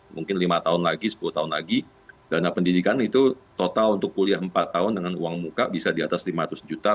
mungkin lima tahun lagi sepuluh tahun lagi dana pendidikan itu total untuk kuliah empat tahun dengan uang muka bisa di atas lima ratus juta